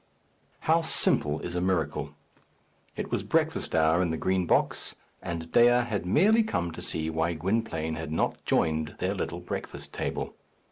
How simple is a miracle! It was breakfast hour in the Green Box, and Dea had merely come to see why Gwynplaine had not joined their little breakfast table.